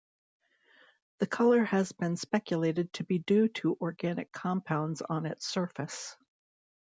The color has been speculated to be due to organic compounds on its surface.